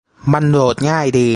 มันโหลดง่ายดี